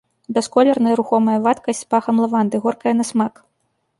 Бясколерная рухомая вадкасць з пахам лаванды, горкая на смак.